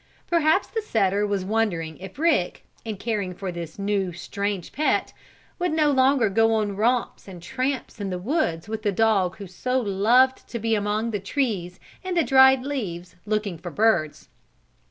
Perhaps the setter was wondering if Rick, in caring for this new, strange pet, would no longer go on romps and tramps in the woods with the dog who so loved to be among the trees and the dried leaves, looking for birds.